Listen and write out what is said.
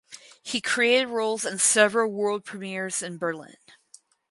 He created roles in several world premieres in Berlin.